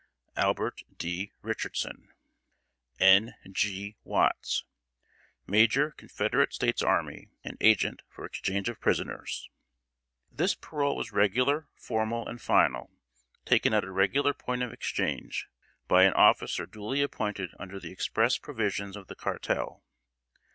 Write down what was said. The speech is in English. ALBERT D. RICHARDSON. N. G. WATTS, Major Confederate States Army, and Agent for Exchange of Prisoners. This parole was regular, formal, and final, taken at a regular point of exchange, by an officer duly appointed under the express provisions of the cartel.